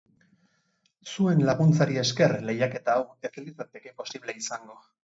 Zuen laguntzari esker lehiaketa hau ez litzateke posible izango.